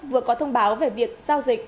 vừa có thông báo về việc giao dịch